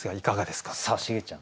さあシゲちゃん